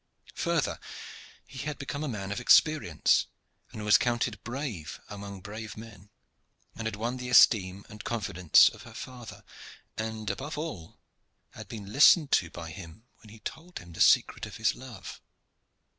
Further, he had become a man of experience, was counted brave among brave men, had won the esteem and confidence of her father, and, above all, had been listened to by him when he told him the secret of his love.